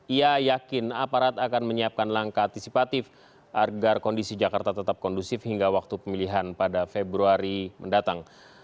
ia yakin aparat akan menyiapkan langkah antisipatif agar kondisi jakarta tetap kondusif hingga waktu pemilihan pada februari mendatang